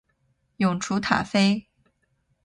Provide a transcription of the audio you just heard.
永雏塔菲